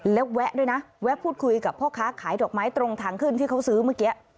แล้วแวะด้วยนะแวะพูดคุยกับพ่อค้าขายดอกไม้ตรงทางขึ้นที่เขาซื้อเมื่อกี้